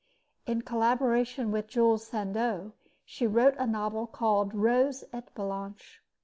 In collaboration with Jules Sandeau, she wrote a novel called Rose et Blanche.